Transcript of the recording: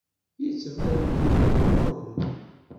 Yettban-d Yuba yuḍen.